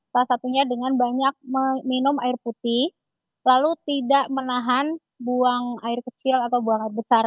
salah satunya dengan banyak minum air putih lalu tidak menahan buang air kecil atau buang air besar